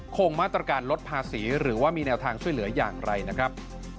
คงมาตรการลดภาษีหรือว่ามีแนวทางช่วยเหลืออย่างไรนะครับ